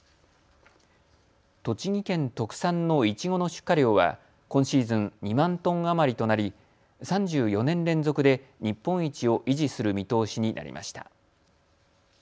栃木県特産のいちごの出荷量は今シーズン２万トン余りとなり３４年連続で日本一を維持する見通しになりました。